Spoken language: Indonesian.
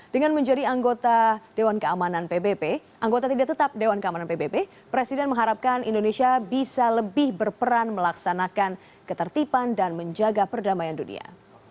dengan menjadi anggota dewan keamanan pbp anggota tidak tetap dewan keamanan pbb presiden mengharapkan indonesia bisa lebih berperan melaksanakan ketertiban dan menjaga perdamaian dunia